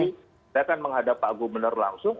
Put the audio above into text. saya akan menghadap pak gubernur langsung